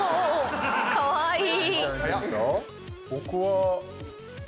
かわいい。